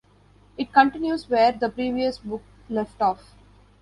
It continues where the previous book left off.